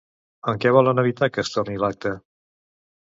En què volen evitar que es torni l'acte?